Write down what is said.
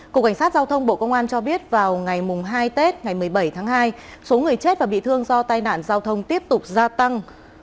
cục cảnh sát giao thông bộ công an cho biết vào ngày hai tết ngày một mươi bảy tháng hai số người chết và bị thương do tai nạn giao thông tiếp tục gia tăng